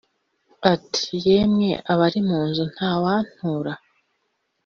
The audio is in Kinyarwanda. iti: "yemwe abari mu nzu ntawantura ?"